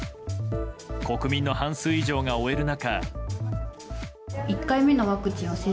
国民の半数以上が終える中。